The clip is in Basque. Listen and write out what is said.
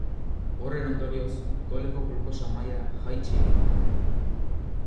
Horren ondorioz odoleko glukosa maila jaitsi egiten da.